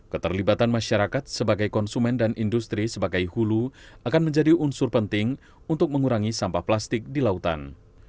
keterlibatan masyarakat sebagai konsumen dan industri sebagai hulu akan menjadi unsur penting untuk mengurangi sampah plastik di lautan